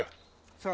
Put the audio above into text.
そう。